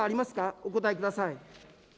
お答えください。